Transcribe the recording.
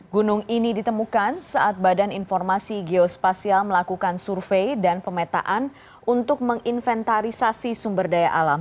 gunung ini ditemukan saat badan informasi geospasial melakukan survei dan pemetaan untuk menginventarisasi sumber daya alam